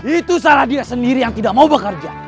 itu salah dia sendiri yang tidak mau bekerja